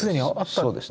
そうですね。